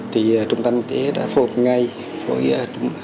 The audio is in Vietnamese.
trung tâm y tế đã phô hợp ngay với chúng